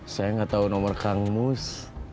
saya gak tau nomor kangmus